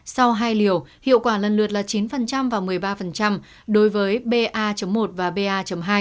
sau hai liều hiệu quả lần lượt là chín và một mươi ba đối với ba một và ba hai